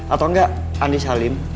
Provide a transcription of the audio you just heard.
atau enggak andries halim